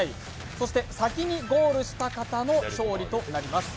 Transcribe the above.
そして先にゴールした方の勝利となります。